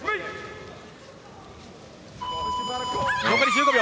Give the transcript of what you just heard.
残り１５秒。